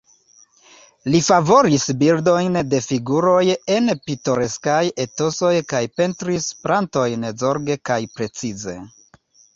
Li favoris bildojn de figuroj en pitoreskaj etosoj kaj pentris plantojn zorge kaj precize.